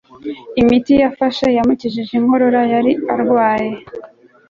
imiti yafashe yamukijije inkorora mbi yari arwaye